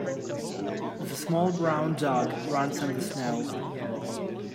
The small brown dog runs in the snow.